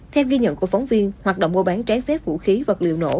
theo ghi nhận của phóng viên hoạt động mua bán trái phép vũ khí vật liệu nổ